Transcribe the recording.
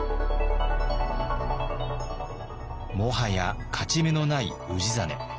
もはや勝ち目のない氏真。